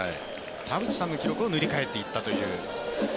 田淵さんの記録を塗り替えていったという。